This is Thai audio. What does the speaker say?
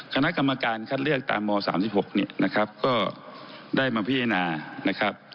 คณะกรรมการคัดเลือกตามม๓๖ได้มาพิจารณา